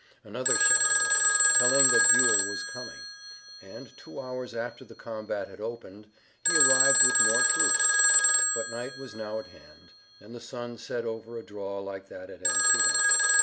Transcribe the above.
Another shout arose, telling that Buell was coming, and, two hours after the combat had opened, he arrived with more troops. But night was now at hand, and the sun set over a draw like that at Antietam.